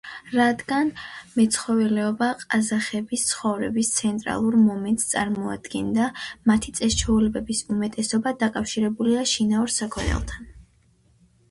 რადგან მეცხოველეობა ყაზახების ცხოვრების ცენტრალურ მომენტს წარმოადგენდა, მათი წეს-ჩვეულების უმეტესობა დაკავშირებულია შინაურ საქონელთან.